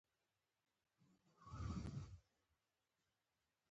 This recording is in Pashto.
هغه زه مجاهدینو امیر ته بوتلم.